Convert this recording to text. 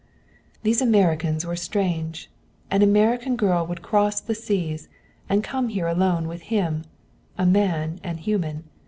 These Americans were strange. An American girl would cross the seas, and come here alone with him a man and human.